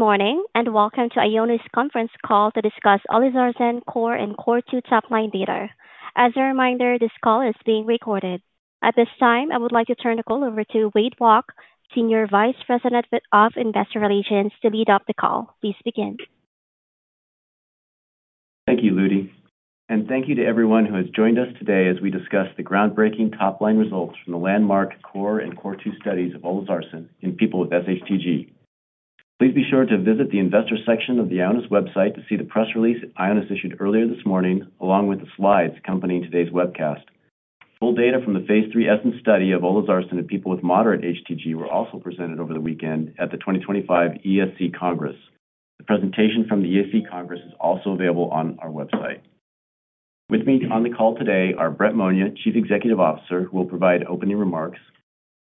Good morning and welcome to Ionis C onference Call to discuss Olezarsen CORE and CORE 2 topline data. As a reminder, this call is being recorded. At this time, I would like to turn the call over to Wade Walke, Senior Vice President of Investor Relations, to lead off the call. Please begin. Thank you, Ludi. Thank you to everyone who has joined us today as we discuss the groundbreaking topline results from the landmark CORE and CORE 2 studies of Olezarsen in people with sHTG. Please be sure to visit the Investor Section of the Ionis website to see the press release Ionis issued earlier this morning, along with the slides accompanying today's webcast. Full data from the Phase III Essence study of Olezarsen in people with moderate HTG were also presented over the weekend at the 2025 ESC Congress. The presentation from the ESC Congress is also available on our website. With me on the call today are Brett Monia, Chief Executive Officer, who will provide opening remarks,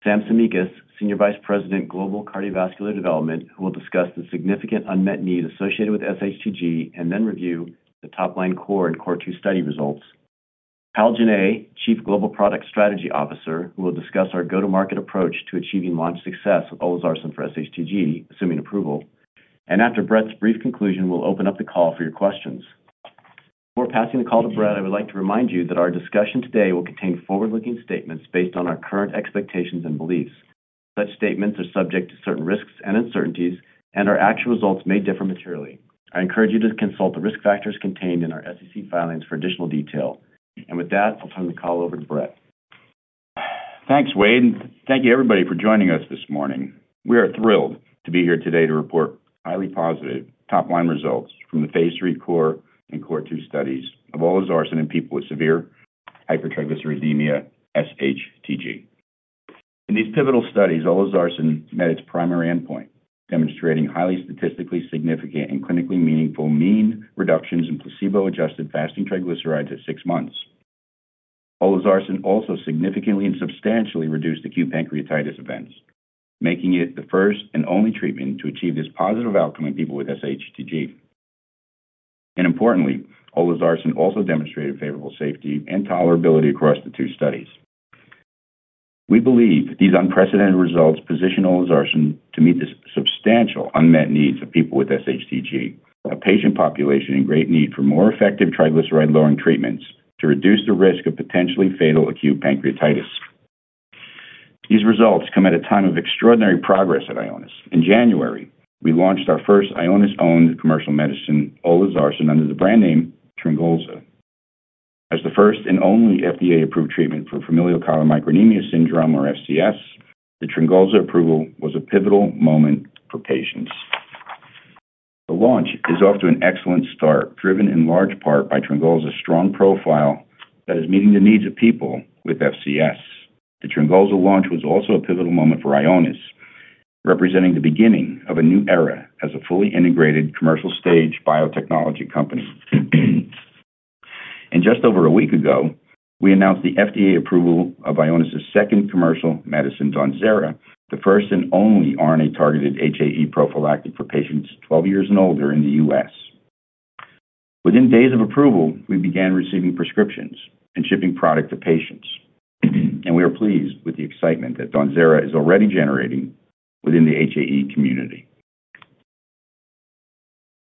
Sam Tsimikas, Senior Vice President, Global Cardiovascular Development, who will discuss the significant unmet need associated with sHTG and then review the topline CORE and CORE2 study results, and Kyle Jenne, Chief Global Product Strategy Officer, who will discuss our go-to-market approach to achieving launch success with Olezarsen for sHTG, assuming approval. After Brett's brief conclusion, we'll open up the call for your questions. Before passing the call to Brett, I would like to remind you that our discussion today will contain forward-looking statements based on our current expectations and beliefs. Such statements are subject to certain risks and uncertainties, and our actual results may differ materially. I encourage you to consult the risk factors contained in our SEC filings for additional detail. With that, I'll turn the call over to Brett. Thanks, Wade, and thank you, everybody, for joining us this morning. We are thrilled to be here today to report highly Positive Topline results from the Phase III CORE and CORE2 studies of Olezarsen in people with severe hypertriglyceridemia, sHTG. In these pivotal studies, Olezarsen met its primary endpoint, demonstrating highly statistically significant and clinically meaningful mean reductions in placebo-adjusted fasting triglycerides at six months. Olezarsen also significantly and substantially reduced acute pancreatitis events, making it the first and only treatment to achieve this positive outcome in people with sHTG. Importantly, Olezarsen also demonstrated favorable safety and tolerability across the two studies. We believe these unprecedented results position Olezarsen to meet the substantial unmet needs of people with sHTG, a patient population in great need for more effective triglyceride-lowering treatments to reduce the risk of potentially fatal acute pancreatitis. These results come at a time of extraordinary progress at Ionis. In January, we launched our first Ionis-owned commercial medicine, Olezarsen, under the brand name Tryngolza. As the first and only FDA-approved treatment for familial chylomicronemia syndrome, or FCS, the Tryngolza approval was a pivotal moment for patients. The launch is off to an excellent start, driven in large part by Tryngolza's strong profile that is meeting the needs of people with FCS. The Tryngolza launch was also a pivotal moment for Ionis Pharmaceuticals, representing the beginning of a new era as a fully integrated commercial-stage biotechnology company. Just over a week ago, we announced the FDA approval of Ionis Pharmaceuticals' second commercial medicine, Dawnzera, the first and only RNA-targeted HAE prophylactic for patients 12 years and older in the U.S. Within days of approval, we began receiving prescriptions and shipping product to patients. We are pleased with the excitement that Dawnzera is already generating within the HAE community.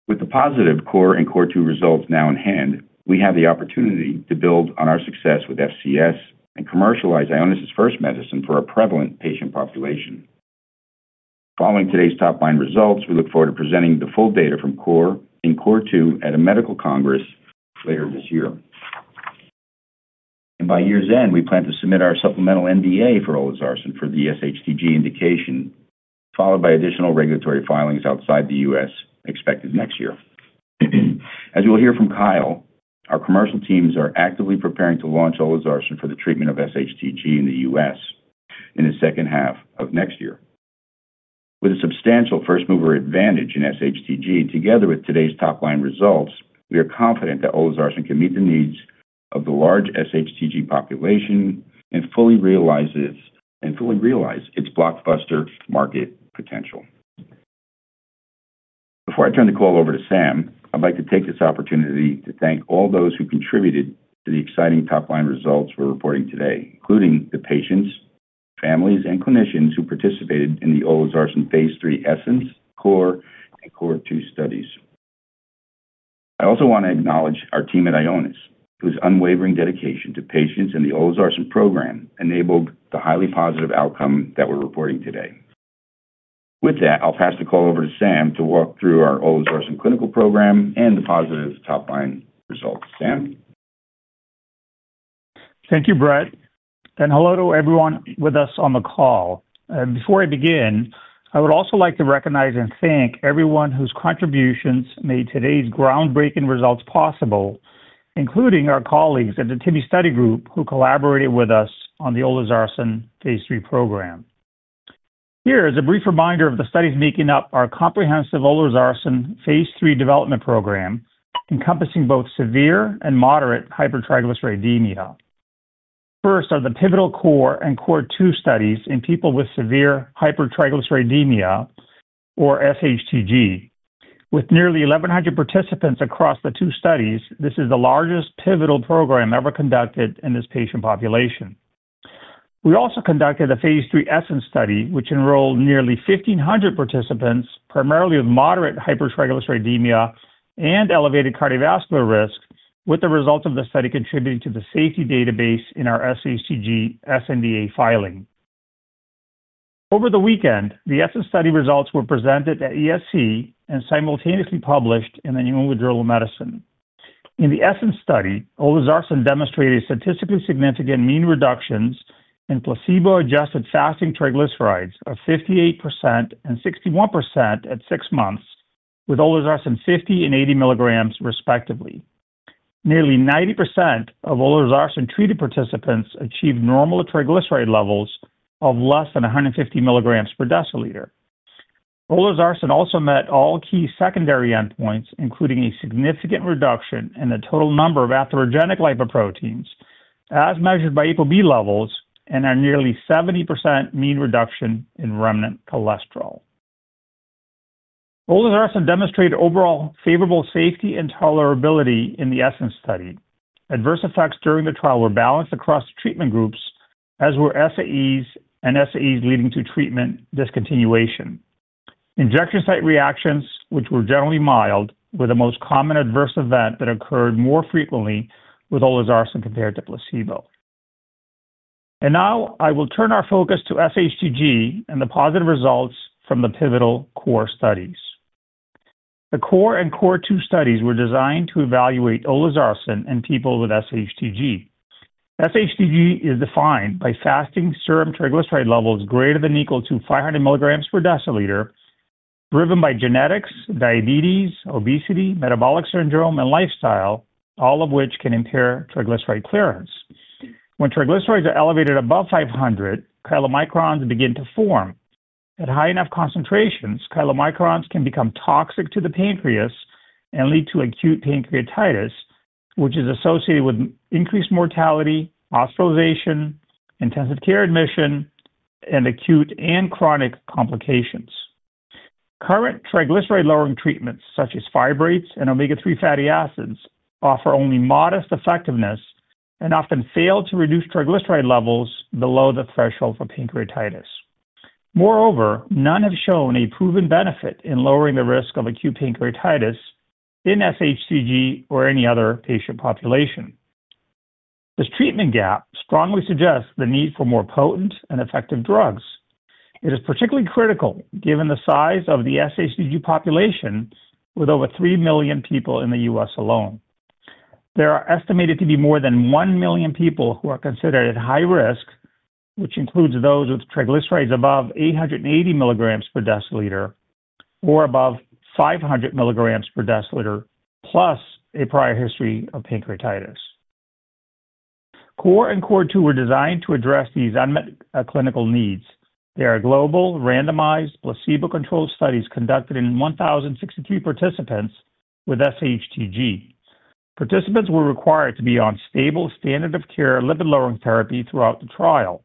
With the positive CORE and CORE2 results now in hand, we have the opportunity to build on our success with FCS and commercialize Ionis Pharmaceuticals' first medicine for a prevalent patient population. Following today's topline results, we look forward to presenting the full data from CORE and CORE2 at a medical congress later this year. By year's end, we plan to submit our supplemental NDA for Olezarsen for the sHTG indication, followed by additional regulatory filings outside the U.S. expected next year. As you'll hear from Kyle, our commercial teams are actively preparing to launch Olezarsen for the treatment of sHTG in the U.S. in the second half of next year. With a substantial first-mover advantage in sHTG, together with today's topline results, we are confident that Olezarsen can meet the needs of the large sHTG population and fully realize its blockbuster market potential. Before I turn the call over to Sam, I'd like to take this opportunity to thank all those who contributed to the exciting topline results we're reporting today, including the patients, families, and clinicians who participated in the Olezarsen Phase III Essence, CORE, and CORE2 studies. I also want to acknowledge our team at Ionis, whose unwavering dedication to patients and the Olezarsen program enabled the highly positive outcome that we're reporting today. With that, I'll pass the call over to Sam to walk through our Olezarsen clinical program and the Positive Topline Results. Sam? Thank you, Brett. Hello to everyone with us on the call. Before I begin, I would also like to recognize and thank everyone whose contributions made today's groundbreaking results possible, including our colleagues at the TIMI study group who collaborated with us on the Olezarsen Phase III program. Here is a brief reminder of the studies making up our comprehensive Olezarsen Phase III development program, encompassing both severe and moderate hypertriglyceridemia. First are the pivotal CORE and CORE2 studies in people with severe hypertriglyceridemia, or sHTG. With nearly 1,100 participants across the two studies, this is the largest pivotal program ever conducted in this patient population. We also conducted a Phase III Essence study, which enrolled nearly 1,500 participants, primarily with moderate hypertriglyceridemia and elevated cardiovascular risk, with the results of the study contributing to the safety database in our sHTG s NDA filing. Over the weekend, the Essence study results were presented at ESC and simultaneously published in the New England Journal of Medicine. In the Essence study, Olezarsen demonstrated statistically significant mean reductions in placebo-adjusted fasting triglycerides of 58% and 61% at six months, with Olezarsen 50 mg and 80 mg, respectively. Nearly 90% of Olezarsen-treated participants achieved normal triglyceride levels of less than 150 mg /dL. Olezarsen also met all key secondary endpoints, including a significant reduction in the total number of atherogenic lipoproteins, as measured by apoB levels, and a nearly 70% mean reduction in remnant cholesterol. Olezarsen demonstrated overall favorable safety and tolerability in the Essence study. Adverse effects during the trial were balanced across the treatment groups, as were SAEs and SAEs leading to treatment discontinuation. Injection site reactions, which were generally mild, were the most common adverse event that occurred more frequently with Olezarsen compared to placebo. I will now turn our focus to sHTG and the positive results from the pivotal CORE studies. The CORE and CORE2 studies were designed to evaluate Olezarsen in people with sHTG. sHTG is defined by fasting serum triglyceride levels greater than or equal to 500 mg/dL, driven by genetics, diabetes, obesity, metabolic syndrome, and lifestyle, all of which can impair triglyceride clearance. When triglycerides are elevated above 500 mg, chylomicrons begin to form. At high enough concentrations, chylomicrons can become toxic to the pancreas and lead to acute pancreatitis, which is associated with increased mortality, hospitalization, intensive care admission, and acute and chronic complications. Current triglyceride-lowering treatments, such as fibrates and omega-3 fatty acids, offer only modest effectiveness and often fail to reduce triglyceride levels below the threshold for pancreatitis. Moreover, none have shown a proven benefit in lowering the risk of acute pancreatitis in sHTG or any other patient population. This treatment gap strongly suggests the need for more potent and effective drugs. It is particularly critical given the size of the sHTG population, with over 3 million people in the U.S. alone. There are estimated to be more than 1 million people who are considered at high risk, which includes those with triglycerides above 880 mg/dL or above 500 mg/dL, plus a prior history of pancreatitis. CORE and CORE2 were designed to address these unmet clinical needs. They are global, randomized, placebo-controlled studies conducted in 1,063 participants with sHTG. Participants were required to be on stable standard-of-care lipid-lowering therapy throughout the trial.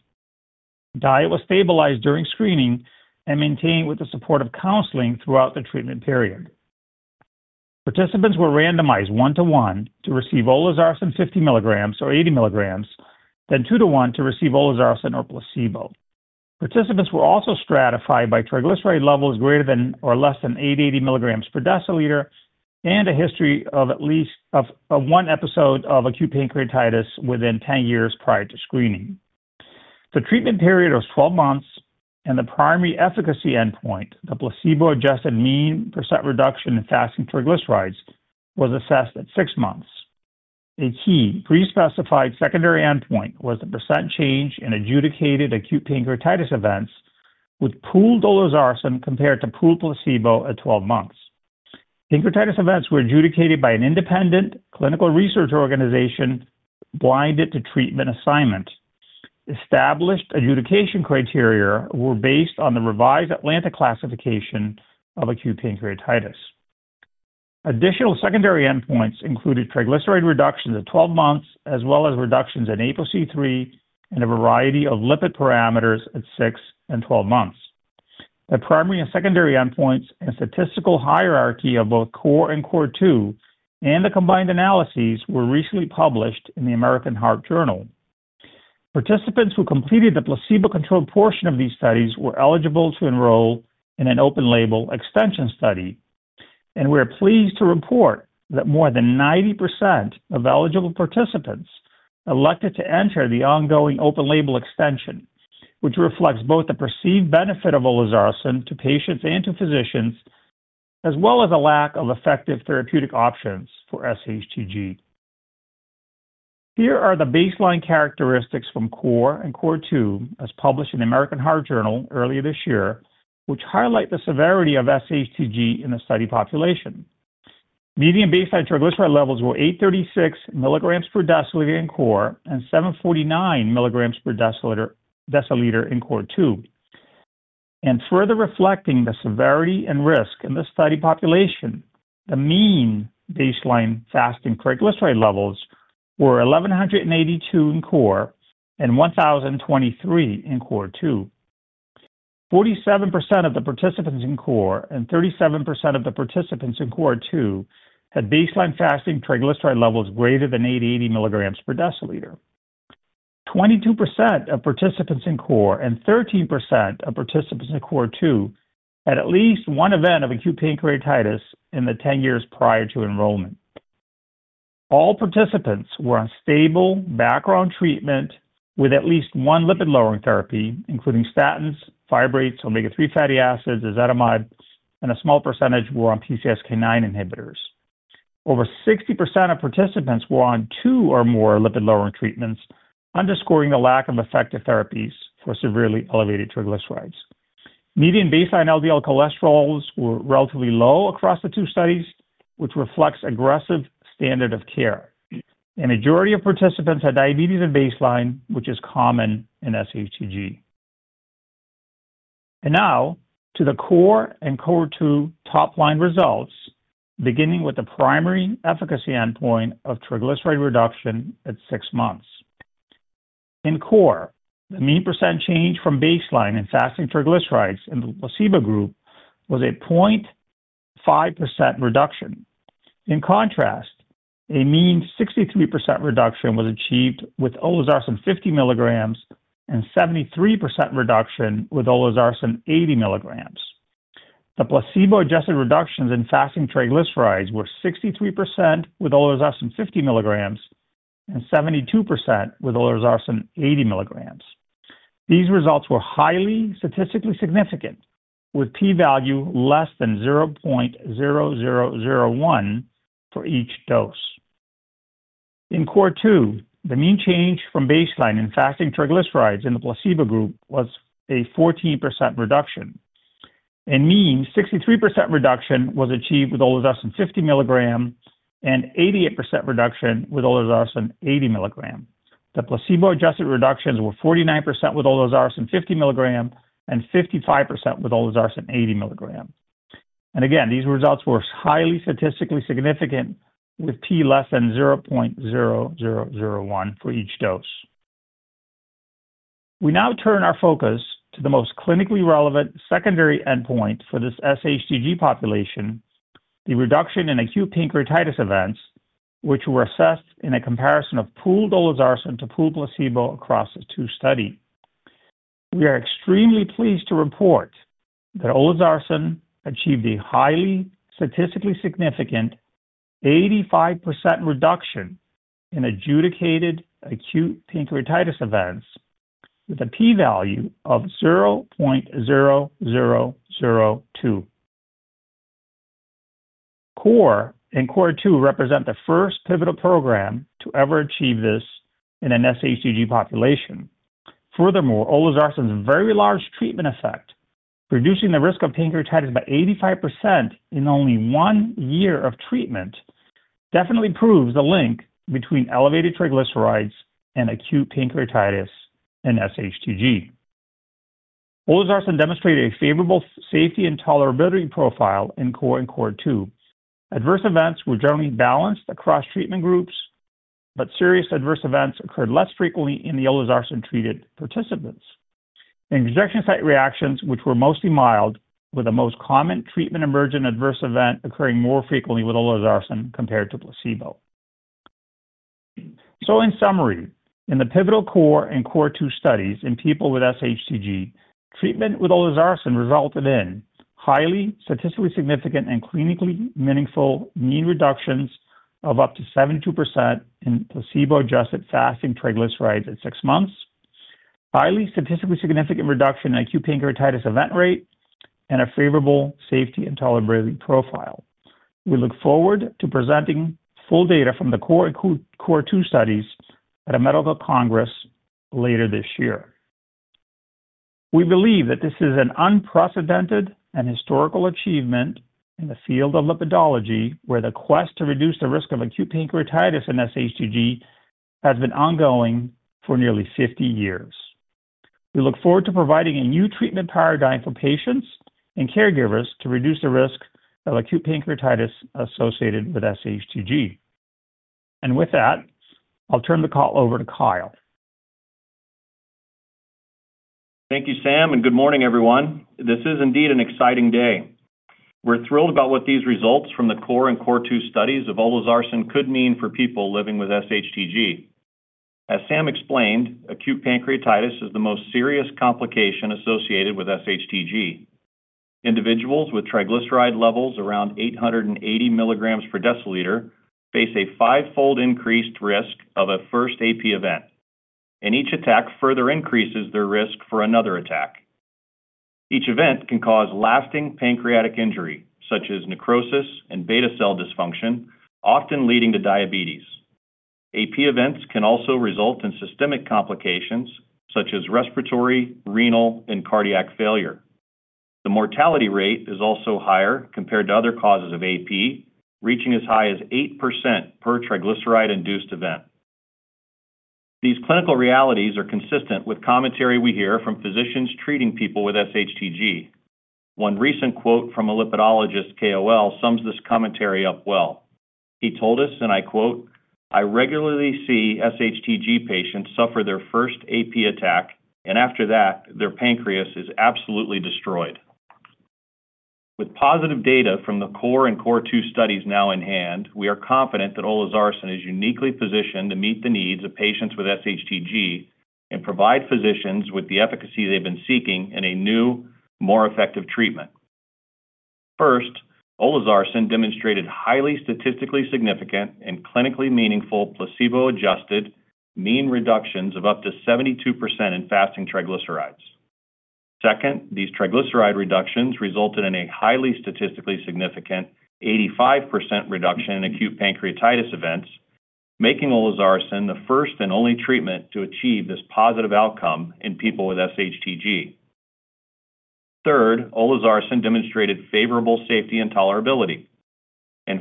Diet was stabilized during screening and maintained with the support of counseling throughout the treatment period. Participants were randomized one to one to receive Olezarsen 50 mg or 80 mg, then two to one to receive Olezarsen or placebo. Participants were also stratified by triglyceride levels greater than or less than 880 mg/dL and a history of at least one episode of acute pancreatitis within 10 years prior to screening. The treatment period was 12 months, and the primary efficacy endpoint, the placebo-adjusted mean percent reduction in fasting triglycerides, was assessed at six months. A key pre-specified secondary endpoint was the percent change in adjudicated acute pancreatitis events with pooled Olezarsen compared to pooled placebo at 12 months. Pancreatitis events were adjudicated by an independent clinical research organization blinded to treatment assignment. Established adjudication criteria were based on the revised Atlanta Classification of Acute Pancreatitis. Additional secondary endpoints included triglyceride reductions at 12 months, as well as reductions in apoC-III and a variety of lipid parameters at 6 and 12 months. The primary and secondary endpoints and statistical hierarchy of both CORE and CORE2 and the combined analyses were recently published in the American Heart Journal. Participants who completed the placebo-controlled portion of these studies were eligible to enroll in an open-label extension study. We are pleased to report that more than 90% of eligible participants elected to enter the ongoing open-label extension, which reflects both the perceived benefit of Olezarsen to patients and to physicians, as well as a lack of effective therapeutic options for sHTG. Here are the baseline characteristics from CORE and CORE2, as published in the American Heart Journal earlier this year, which highlight the severity of sHTG in the study population. Median baseline triglyceride levels were 836 mg/dL in CORE and 749 mg/dL in CORE2. Further reflecting the severity and risk in the study population, the mean baseline fasting triglyceride levels were 1,182 in CORE and 1,023 in CORE2. 47% of the participants in CORE and 37% of the participants in CORE2 had baseline fasting triglyceride levels greater than 880 mg/dL. 22% of participants in CORE and 13% of participants in CORE2 had at least one event of acute pancreatitis in the 10 years prior to enrollment. All participants were on stable background treatment with at least one lipid-lowering therapy, including statins, fibrates, omega-3 fatty acids, ezetimibe, and a small percentage were on PCSK9 inhibitors. Over 60% of participants were on two or more lipid-lowering treatments, underscoring the lack of effective therapies for severely elevated triglycerides. Median baseline LDL cholesterols were relatively low across the two studies, which reflects aggressive standard of care. The majority of participants had diabetes at baseline, which is common in sHTG. Now, to the CORE and CORE2 topline results, beginning with the primary efficacy endpoint of triglyceride reduction at six months. In CORE, the mean percent change from baseline in fasting triglycerides in the placebo group was a 0.5% reduction. In contrast, a mean 63% reduction was achieved with Olezarsen 50 mg and 73% reduction with Olezarsen 80 mg. The placebo-adjusted reductions in fasting triglycerides were 63% with Olezarsen 50 mg and 72% with Olezarsen 80 mg. These results were highly statistically significant, with p-value less than 0.0001 for each dose. In CORE2, the mean change from baseline in fasting triglycerides in the placebo group was a 14% reduction. A mean 63% reduction was achieved with Olezarsen 50 mg and 88% reduction with Olezarsen 80 mg. The placebo-adjusted reductions were 49% with Olezarsen 50 mg and 55% with Olezarsen 80 mg. These results were highly statistically significant, with p less than 0.0001 for each dose. We now turn our focus to the most clinically relevant secondary endpoint for this sHTG population, the reduction in acute pancreatitis events, which were assessed in a comparison of pooled Olezarsen to pooled placebo across the two studies. We are extremely pleased to report that Olezarsen achieved a highly statistically significant 85% reduction in adjudicated acute pancreatitis events with a p-value of 0.0002. CORE and CORE2 represent the first pivotal program to ever achieve this in an sHTG population. Furthermore, Olezarsen's very large treatment effect, reducing the risk of pancreatitis by 85% in only one year of treatment, definitely proves the link between elevated triglycerides and acute pancreatitis in sHTG. Olezarsen demonstrated a favorable safety and tolerability profile in CORE and CORE2. Adverse events were generally balanced across treatment groups, but serious adverse events occurred less frequently in the Olezarsen-treated participants. Injection site reactions, which were mostly mild, were the most common treatment-emergent adverse event occurring more frequently with Olezarsen compared to placebo. In summary, in the pivotal CORE and CORE2 studies in people with sHTG, treatment with Olezarsen resulted in highly statistically significant and clinically meaningful mean reductions of up to 72% in placebo-adjusted fasting triglycerides at six months, a highly statistically significant reduction in acute pancreatitis event rate, and a favorable safety and tolerability profile. We look forward to presenting full data from the CORE and CORE2 studies at a medical congress later this year. We believe that this is an unprecedented and historical achievement in the field of lipidology, where the quest to reduce the risk of acute pancreatitis in sHTG has been ongoing for nearly 50 years. We look forward to providing a new treatment paradigm for patients and caregivers to reduce the risk of acute pancreatitis associated with sHTG. I will turn the call over to Kyle. Thank you, Sam, and good morning, everyone. This is indeed an exciting day. We're thrilled about what these results from the CORE and CORE2 studies of Olezarsen could mean for people living with sHTG. As Sam explained, acute pancreatitis is the most serious complication associated with sHTG. Individuals with triglyceride levels around 880 mg/dL face a five-fold increased risk of a first AP event. Each attack further increases their risk for another attack. Each event can cause lasting pancreatic injury, such as necrosis and beta cell dysfunction, often leading to diabetes. AP events can also result in systemic complications, such as respiratory, renal, and cardiac failure. The mortality rate is also higher compared to other causes of AP, reaching as high as 8% per triglyceride-induced event. These clinical realities are consistent with commentary we hear from physicians treating people with sHTG. One recent quote from a lipidologist, KOL, sums this commentary up well. He told us, and I quote, "I regularly see sHTG patients suffer their first AP attack, and after that, their pancreas is absolutely destroyed." With positive data from the CORE and CORE2 studies now in hand, we are confident that Olezarsen is uniquely positioned to meet the needs of patients with sHTG and provide physicians with the efficacy they've been seeking in a new, more effective treatment. First, Olezarsen demonstrated highly statistically significant and clinically meaningful placebo-adjusted mean reductions of up to 72% in fasting triglycerides. Second, these triglyceride reductions resulted in a highly statistically significant 85% reduction in acute pancreatitis events, making Olezarsen the first and only treatment to achieve this positive outcome in people with sHTG. Third, Olezarsen demonstrated favorable safety and tolerability.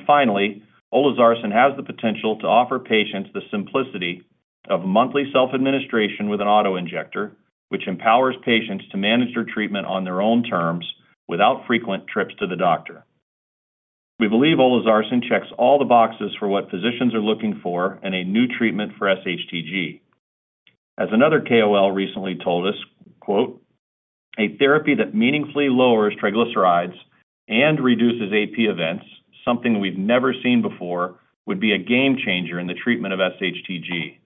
Finally, Olezarsen has the potential to offer patients the simplicity of monthly self-administration with an autoinjector, which empowers patients to manage their treatment on their own terms without frequent trips to the doctor. We believe Olezarsen checks all the boxes for what physicians are looking for in a new treatment for sHTG. As another KOL recently told us, "A therapy that meaningfully lowers triglycerides and reduces AP events, something we've never seen before, would be a game changer in the treatment of sHTG."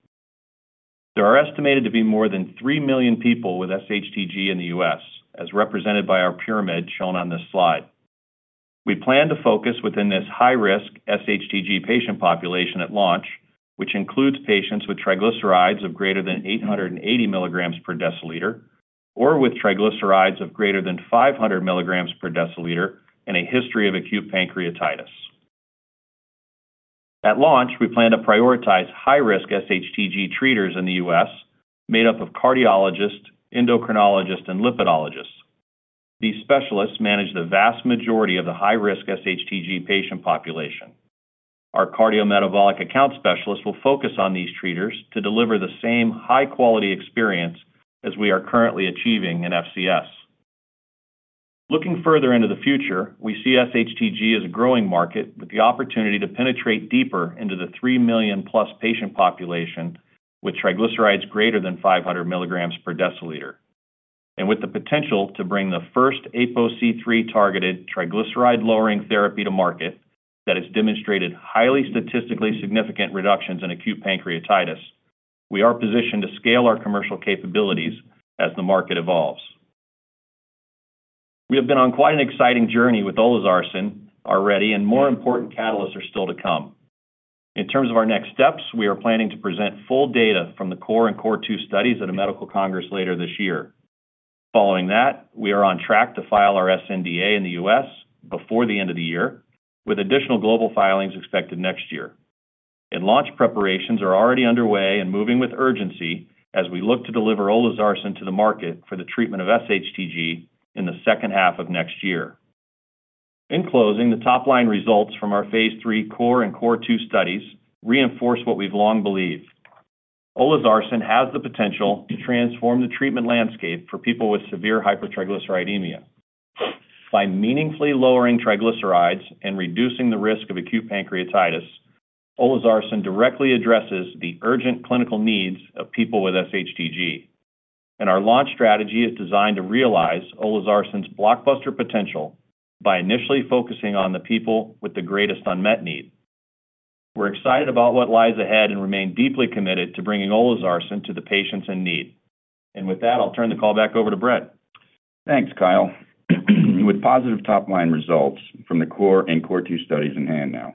There are estimated to be more than 3 million people with sHTG in the U.S., as represented by our pyramid shown on this slide. We plan to focus within this high-risk sHTG patient population at launch, which includes patients with triglycerides of greater than 880 mg/dL or with triglycerides of greater than 500 mg/dL and a history of acute pancreatitis. At launch, we plan to prioritize high-risk sHTG treaters in the U.S., made up of cardiologists, endocrinologists, and lipidologists. These specialists manage the vast majority of the high-risk sHTG patient population. Our cardiometabolic account specialists will focus on these treaters to deliver the same high-quality experience as we are currently achieving in familial chylomicronemia syndrome. Looking further into the future, we see sHTG as a growing market with the opportunity to penetrate deeper into the 3 million-plus patient population with triglycerides greater than 500 mg/dL. With the potential to bring the first apoC-III-targeted triglyceride-lowering therapy to market that has demonstrated highly statistically significant reductions in acute pancreatitis, we are positioned to scale our commercial capabilities as the market evolves. We have been on quite an exciting journey with Olezarsen already, and more important catalysts are still to come. In terms of our next steps, we are planning to present full data from the CORE and CORE2 studies at a medical congress later this year. Following that, we are on track to file our s NDA in the U.S. before the end of the year, with additional global filings expected next year. Launch preparations are already underway and moving with urgency as we look to deliver Olezarsen to the market for the treatment of sHTG in the second half of next year. In closing, the topline results from our Phase III CORE and CORE2 studies reinforce what we've long believed. Olezarsen has the potential to transform the treatment landscape for people with severe hypertriglyceridemia. By meaningfully lowering triglycerides and reducing the risk of acute pancreatitis, Olezarsen directly addresses the urgent clinical needs of people with sHTG. Our launch strategy is designed to realize Olezarsen's blockbuster potential by initially focusing on the people with the greatest unmet need. We're excited about what lies ahead and remain deeply committed to bringing Olezarsen to the patients in need. With that, I'll turn the call back over to Brett. Thanks, Kyle. With Positive Topline results from the CORE and CORE2 studies in hand now,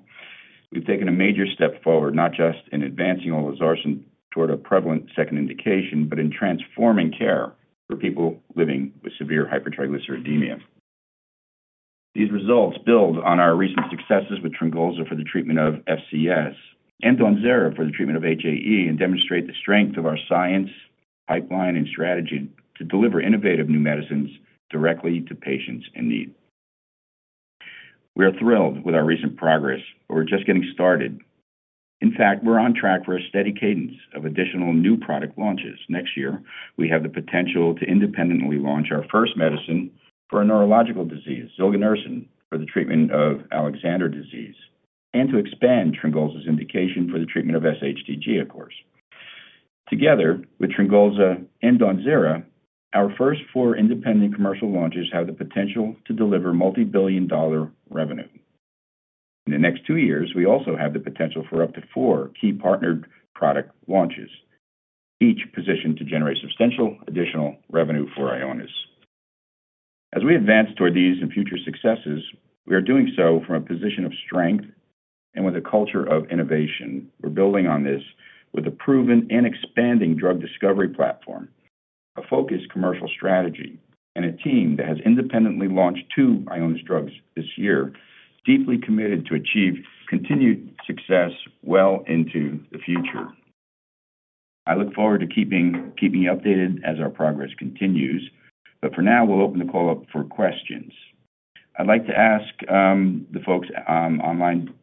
we've taken a major step forward, not just in advancing Olezarsen toward a prevalent second indication, but in transforming care for people living with severe hypertriglyceridemia. These results build on our recent successes with Tryngolza for the treatment of FCS and Dawnzera for the treatment of HAE and demonstrate the strength of our science, pipeline, and strategy to deliver innovative new medicines directly to patients in need. We are thrilled with our recent progress, but we're just getting started. In fact, we're on track for a steady cadence of additional new product launches. Next year, we have the potential to independently launch our first medicine for a neurological disease, Zilganersen, for the treatment of Alexander disease, and to expand Tryngolza's indication for the treatment of sHTG, of course. Together with Tryngolza and Dawnzera, our first four independent commercial launches have the potential to deliver multibillion-dollar revenue. In the next two years, we also have the potential for up to four key partnered product launches, each positioned to generate substantial additional revenue for Ionis. As we advance toward these and future successes, we are doing so from a position of strength and with a culture of innovation. We're building on this with a proven and expanding drug discovery platform, a focused commercial strategy, and a team that has independently launched two Ionis drugs this year, deeply committed to achieve continued success well into the future. I look forward to keeping you updated as our progress continues. For now, we'll open the call up for questions. I'd like to ask the folks online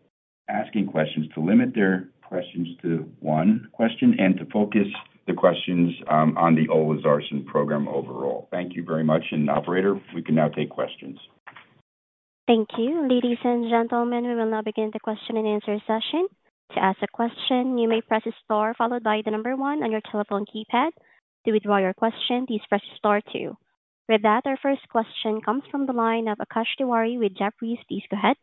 asking questions to limit their questions to one question and to focus the questions on the Olezarsen program overall. Thank you very much. Operator, we can now take questions. Thank you, ladies and gentlemen. We will now begin the question and answer session. To ask a question, you may press star followed by the number one on your telephone keypad. To withdraw your question, please press star two. With that, our first question comes from the line of Akash Tiwari with Jefferies. Please go ahead.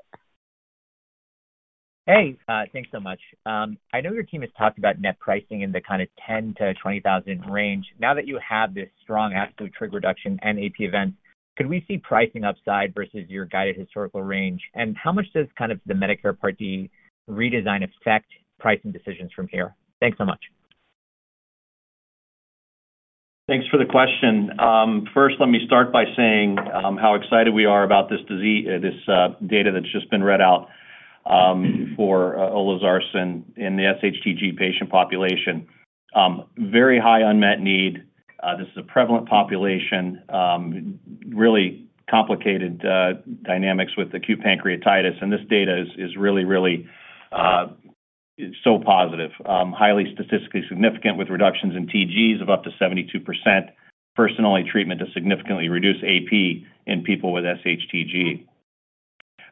Hey, thanks so much. I know your team has talked about net pricing in the kind of $10,000 - $20,000 range. Now that you have this strong absolute trig reduction and AP event, could we see pricing upside versus your guided historical range? How much does the Medicare Part D redesign affect pricing decisions from here? Thanks so much. Thanks for the question. First, let me start by saying how excited we are about this data that's just been read out for Olezarsen in the sHTG patient population. Very high unmet need. This is a prevalent population, really complicated dynamics with acute pancreatitis. This data is really, really so positive, highly statistically significant with reductions in TGs of up to 72%. First in all, a treatment to significantly reduce AP in people with sHTG.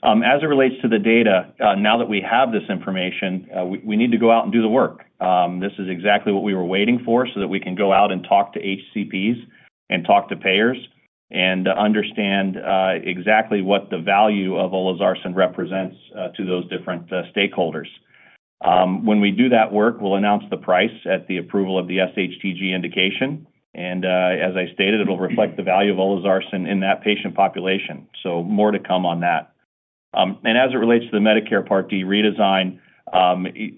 As it relates to the data, now that we have this information, we need to go out and do the work. This is exactly what we were waiting for so that we can go out and talk to HCPs and talk to payers and understand exactly what the value of Olezarsen represents to those different stakeholders. When we do that work, we'll announce the price at the approval of the sHTG indication. As I stated, it'll reflect the value of Olezarsen in that patient population. More to come on that. As it relates to the Medicare Part D redesign,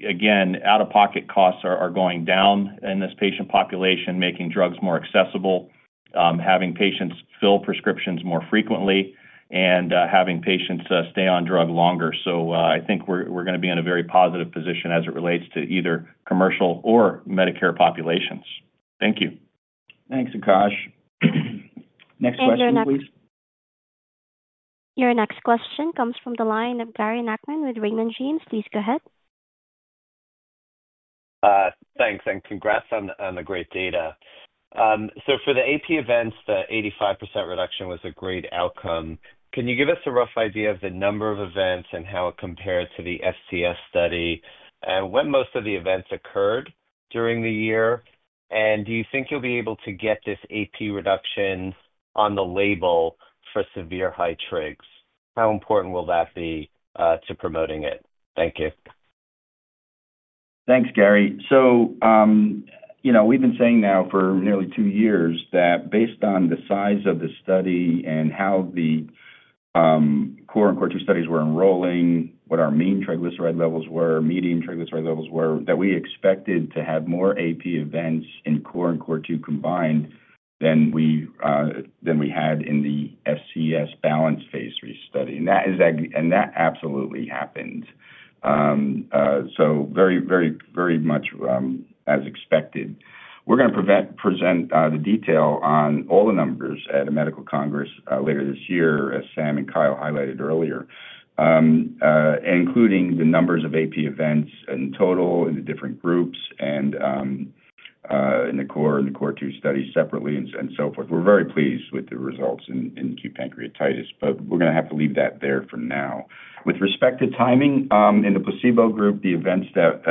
again, out-of-pocket costs are going down in this patient population, making drugs more accessible, having patients fill prescriptions more frequently, and having patients stay on drugs longer. I think we're going to be in a very positive position as it relates to either commercial or Medicare populations. Thank you. Thanks, Akash. Next question, please. Your next question comes from the line of Gary Nachman with Raymond James. Please go ahead. Thanks, and congrats on the great data. For the AP events, the 85% reduction was a great outcome. Can you give us a rough idea of the number of events and how it compared to the FCS study and when most of the events occurred during the year? Do you think you'll be able to get this AP reduction on the label for severe high trigs? How important will that be to promoting it? Thank you. Thanks, Gary. You know we've been saying now for nearly two years that based on the size of the study and how the CORE and CORE2 studies were enrolling, what our mean triglyceride levels were, median triglyceride levels were, that we expected to have more AP events in CORE and CORE2 combined than we had in the FCS balanced Phase III study. That absolutely happened. Very, very, very much as expected. We're going to present the detail on all the numbers at a medical congress later this year, as Sam and Kyle highlighted earlier, including the numbers of AP events in total in the different groups and in the CORE and the CORE2 studies separately and so forth. We're very pleased with the results in acute pancreatitis, but we're going to have to leave that there for now. With respect to timing in the placebo group, the events that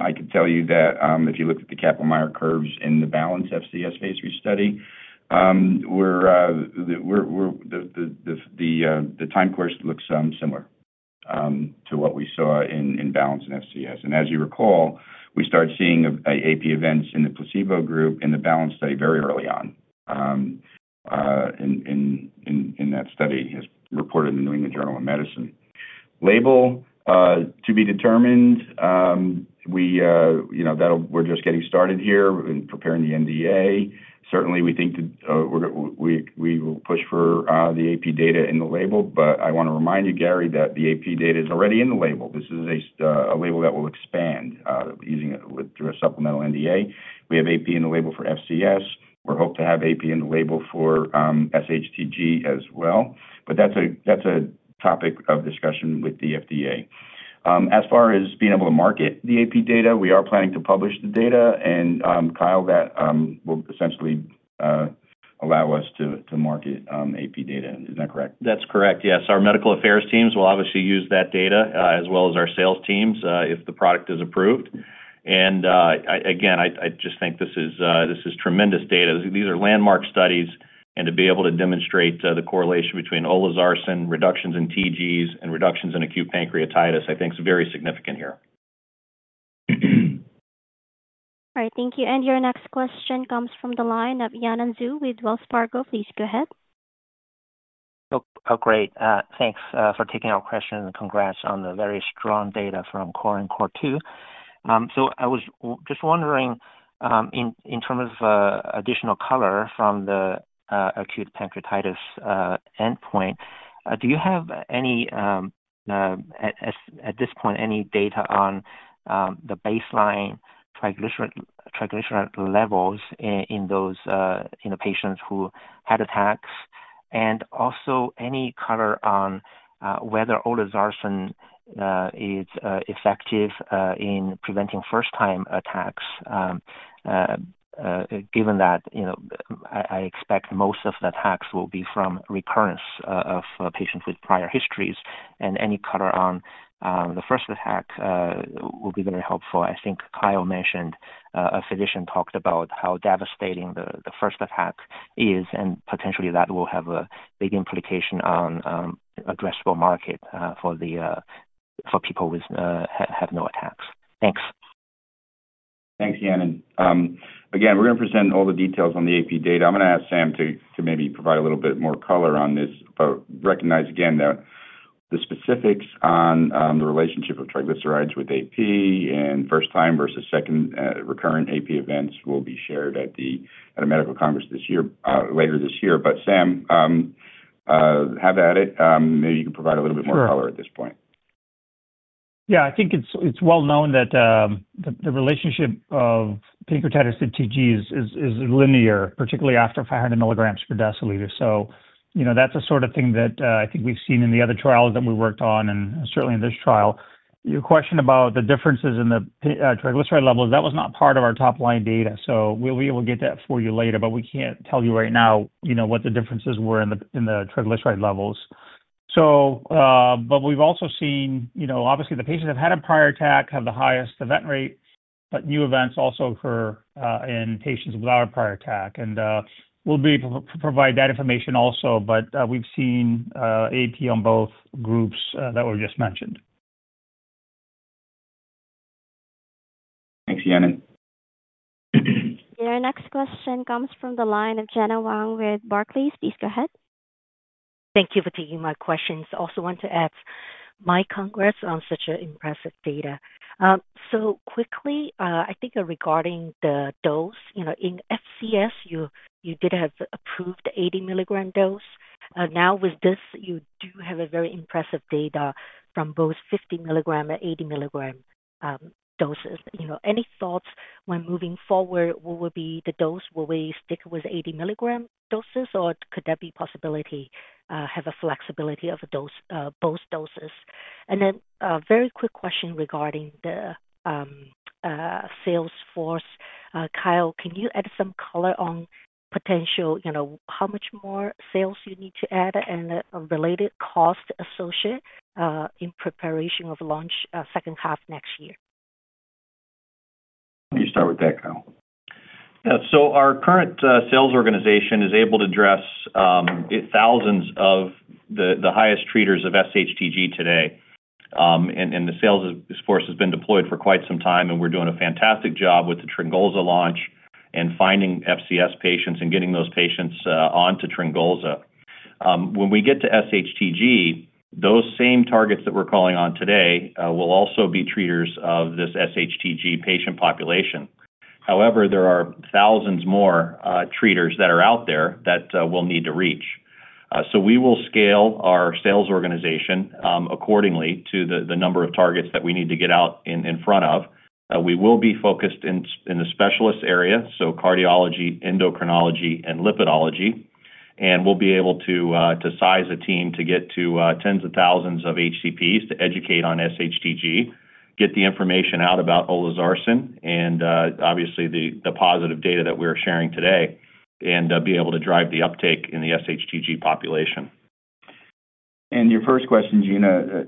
I could tell you that if you look at the Kaplan-Meier curves in the balanced FCS Phase III study, the time course looks similar to what we saw in balanced and FCS. As you recall, we started seeing AP events in the placebo group in the balanced study very early on in that study, as reported in the New England Journal of Medicine. Label to be determined. We're just getting started here in preparing the NDA. Certainly, we think that we will push for the AP data in the label, but I want to remind you, Gary, that the AP data is already in the label. This is a label that will expand using it through a supplemental NDA. We have AP in the label for FCS. We hope to have AP in the label for sHTG as well. That's a topic of discussion with the FDA. As far as being able to market the AP data, we are planning to publish the data, and Kyle, that will essentially allow us to market AP data. Isn't that correct? That's correct, yes. Our Medical Affairs teams will obviously use that data, as well as our sales teams, if the product is approved. I just think this is tremendous data. These are landmark studies. To be able to demonstrate the correlation between Olezarsen reductions in TGs and reductions in acute pancreatitis, I think, is very significant here. All right. Thank you. Your next question comes from the line of Yanan Zhu with Wells Fargo. Please go ahead. Oh, great. Thanks for taking our question and congrats on the very strong data from CORE and CORE2. I was just wondering, in terms of additional color from the acute pancreatitis endpoint, do you have any, at this point, any data on the baseline triglyceride levels in those patients who had attacks? Also, any color on whether Olezarsen is effective in preventing first-time attacks, given that I expect most of the attacks will be from recurrence of patients with prior histories? Any color on the first attack will be very helpful. I think Kyle mentioned a physician talked about how devastating the first attack is, and potentially, that will have a big implication on addressable market for people who have no attacks. Thanks. Thanks, Yanan. We are going to present all the details on the AP data. I'm going to ask Sam to maybe provide a little bit more color on this, but recognize again that the specifics on the relationship of triglycerides with AP and first-time versus second recurrent AP events will be shared at a medical congress later this year. Sam, have at it. Maybe you can provide a little bit more color at this point. I think it's well known that the relationship of pancreatitis and triglycerides is linear, particularly after 500 mg/dL. That's the sort of thing that I think we've seen in the other trials that we worked on and certainly in this trial. Your question about the differences in the triglyceride levels, that was not part of our topline data. We'll be able to get that for you later, but we can't tell you right now what the differences were in the triglyceride levels. We've also seen, obviously, the patients who have had a prior attack have the highest event rate. New events also occur in patients without a prior attack. We'll be able to provide that information also, but we've seen acute pancreatitis in both groups that were just mentioned. Thanks, Yanan. Our next question comes from the line of Gena Wang with Barclays. Please go ahead. Thank you for taking my questions. I also want to add my congrats on such impressive data. Quickly, I think regarding the dose, you know in FCS, you did have approved the 80 mg dose. Now, with this, you do have very impressive data from both 50 mg and 80 mg doses. Any thoughts when moving forward? What will be the dose? Will we stick with 80 mg doses, or could that be a possibility to have a flexibility of both doses? A very quick question regarding the sales force. Kyle, can you add some color on potential, you know how much more sales you need to add and related cost associated in preparation of launch second half next year? You start with that, Kyle. Yeah, so our current sales organization is able to address thousands of the highest treaters of sHTG today. The sales force has been deployed for quite some time, and we're doing a fantastic job with the Tryngolza launch and finding FCS patients and getting those patients onto Tryngolza. When we get to sHTG, those same targets that we're calling on today will also be treaters of this sHTG patient population. However, there are thousands more treaters that are out there that we'll need to reach. We will scale our sales organization accordingly to the number of targets that we need to get out in front of. We will be focused in the specialist area, so cardiology, endocrinology, and lipidology. We'll be able to size a team to get to tens of thousands of HCPs to educate on sHTG, get the information out about Olezarsen, and obviously, the positive data that we're sharing today, and be able to drive the uptake in the sHTG population. Your first question, Gena,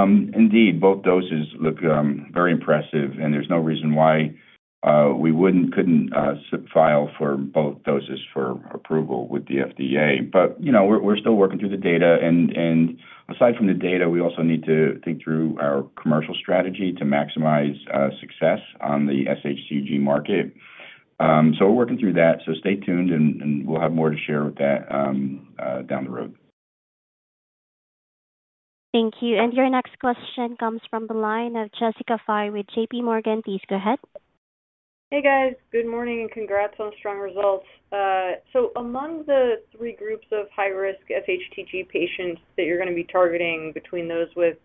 indeed, both doses look very impressive, and there's no reason why we couldn't file for both doses for approval with the FDA. You know we're still working through the data. Aside from the data, we also need to think through our commercial strategy to maximize success on the sHTG market. We're working through that. Stay tuned, and we'll have more to share with that down the road. Thank you. Your next question comes from the line of Jessica Fye with JP Morgan. Please go ahead. Good morning and congrats on strong results. Among the three groups of high-risk sHTG patients that you're going to be targeting, between those with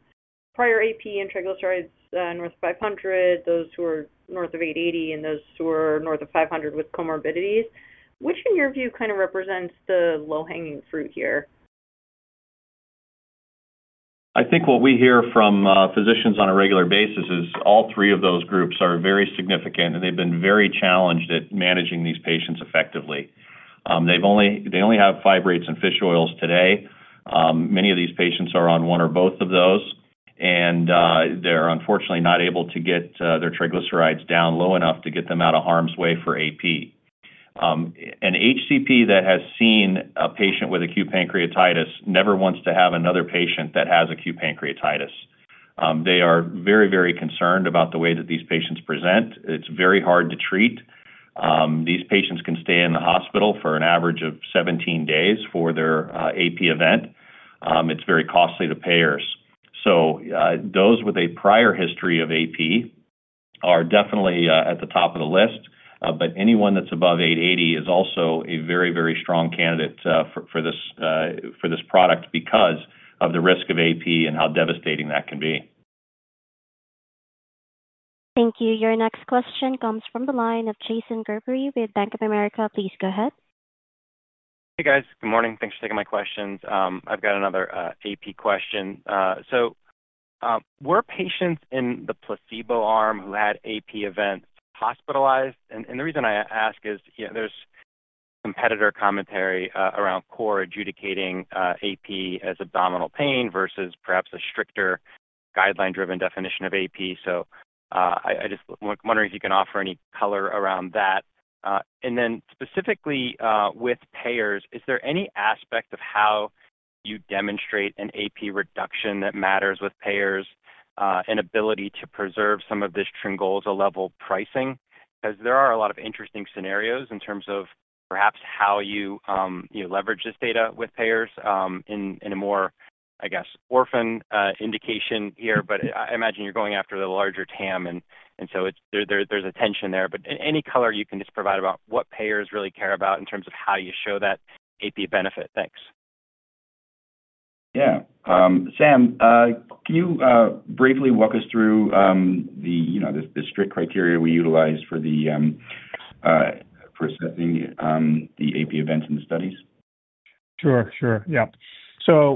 prior acute pancreatitis and triglycerides north of 500 mg, those who are north of 880 mg, and those who are north of 500 mg with comorbidities, which in your view kind of represents the low-hanging fruit here? I think what we hear from physicians on a regular basis is all three of those groups are very significant, and they've been very challenged at managing these patients effectively. They only have fibrates and fish oils today. Many of these patients are on one or both of those, and they're unfortunately not able to get their triglycerides down low enough to get them out of harm's way for AP. An HCP that has seen a patient with acute pancreatitis never wants to have another patient that has acute pancreatitis. They are very, very concerned about the way that these patients present. It's very hard to treat. These patients can stay in the hospital for an average of 17 days for their AP event. It's very costly to payers. Those with a prior history of AP are definitely at the top of the list. Anyone that's above 880 mg is also a very, very strong candidate for this product because of the risk of AP and how devastating that can be. Thank you. Your next question comes from the line of Jason Gerberry with Bank of America. Please go ahead. Hey, guys. Good morning. Thanks for taking my questions. I've got another AP question. Were patients in the placebo arm who had AP events hospitalized? The reason I ask is there's competitor commentary around CORE adjudicating AP as abdominal pain versus perhaps a stricter guideline-driven definition of AP. I'm wondering if you can offer any color around that. Specifically with payers, is there any aspect of how you demonstrate an AP reduction that matters with payers and ability to preserve some of this Tryngolza level pricing? There are a lot of interesting scenarios in terms of perhaps how you leverage this data with payers in a more, I guess, orphan indication here. I imagine you're going after the larger TAM, and there's a tension there. Any color you can just provide about what payers really care about in terms of how you show that AP benefit. Thanks. Yeah, Sam, can you briefly walk us through the strict criteria we utilize for assessing the AP events in the studies? Sure, sure. Yeah.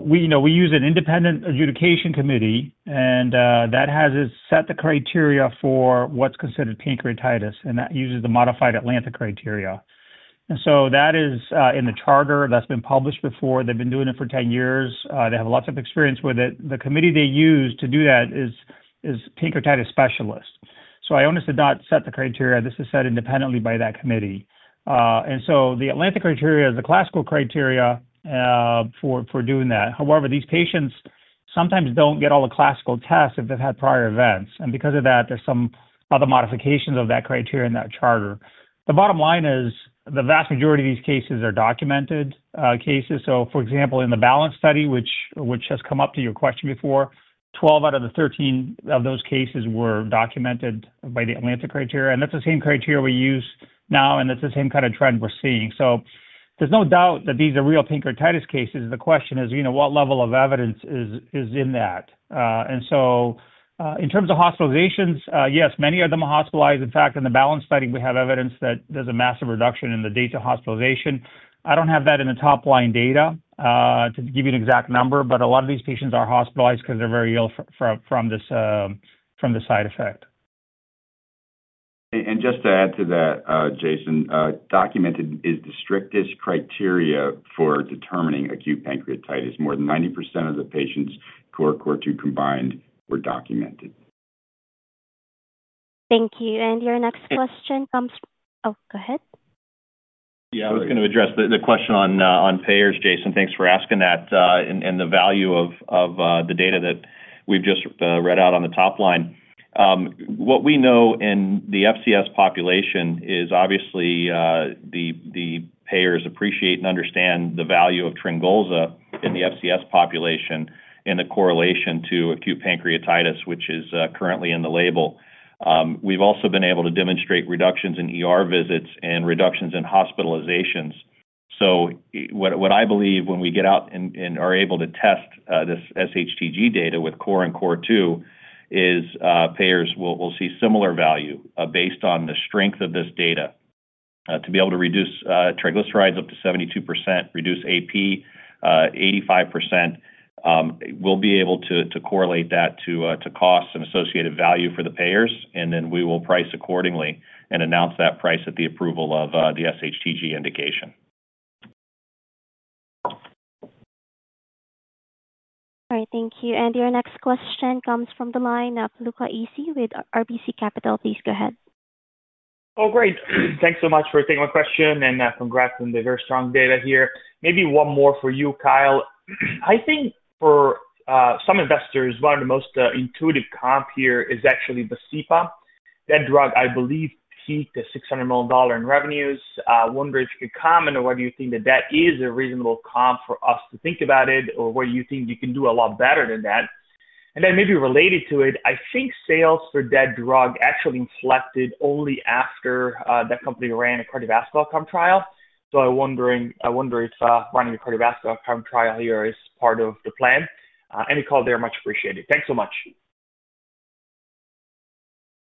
We use an independent adjudication committee, and that has set the criteria for what's considered pancreatitis, and that uses the modified Atlanta criteria. That is in the charter that's been published before. They've been doing it for 10 years. They have lots of experience with it. The committee they use to do that is pancreatitis specialists. Ionis did not set the criteria. This is set independently by that committee. The Atlanta criteria is the classical criteria for doing that. However, these patients sometimes don't get all the classical tests if they've had prior events. Because of that, there's some other modifications of that criteria in that charter. The bottom line is the vast majority of these cases are documented cases. For example, in the balanced study, which has come up to your question before, 12 out of the 13 of those cases were documented by the Atlanta criteria. That's the same criteria we use now, and that's the same kind of trend we're seeing. There's no doubt that these are real pancreatitis cases. The question is, you know what level of evidence is in that. In terms of hospitalizations, yes, many of them are hospitalized. In fact, in the balanced study, we have evidence that there's a massive reduction in the date of hospitalization. I don't have that in the topline data to give you an exact number, but a lot of these patients are hospitalized because they're very ill from this side effect. Just to add to that, Jason, documented is the strictest criteria for determining acute pancreatitis. More than 90% of the patients who are CORE2 combined were documented. Thank you. Your next question comes, go ahead. Yeah, I was going to address the question on payers, Jason. Thanks for asking that and the value of the data that we've just read out on the topline. What we know in the FCS population is obviously the payers appreciate and understand the value of Tryngolza in the FCS population and the correlation to acute pancreatitis, which is currently in the label. We've also been able to demonstrate reductions in visits and reductions in hospitalizations. What I believe when we get out and are able to test this sHTG data with CORE and CORE2 is payers will see similar value based on the strength of this data. To be able to reduce triglycerides up to 72%, reduce acute pancreatitis 85%, we'll be able to correlate that to costs and associated value for the payers. We will price accordingly and announce that price at the approval of the sHTG indication. All right. Thank you. Your next question comes from the line of Luca Issi with RBC Capital. Please go ahead. Oh, great. Thanks so much for taking my question and congrats on the very strong data here. Maybe one more for you, Kyle. I think for some investors, one of the most intuitive comps here is actually Vascepa. That drug, I believe, peaked at $600 million in revenues. I'm wondering if it's common or whether you think that that is a reasonable comp for us to think about it or whether you think you can do a lot better than that. Maybe related to it, I think sales for that drug actually inflected only after that company ran a cardiovascular outcome trial. I wonder if running a cardiovascular outcome trial here is part of the plan. Any call there much appreciated. Thanks so much.